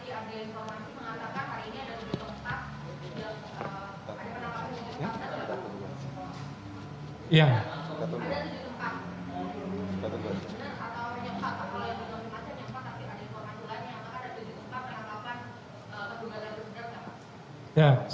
apa informasi abdi informasi mengatakan hari ini ada